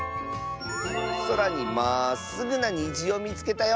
「そらにまっすぐなにじをみつけたよ！」。